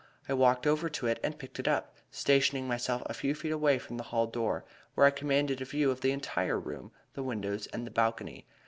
I walked over to it and picked it up, stationing myself a few feet away from the hall door, where I commanded a view of the entire room, the windows and the balcony.